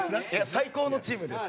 最高のチームです。